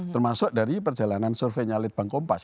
termasuk dari perjalanan survei nyalit bang kompas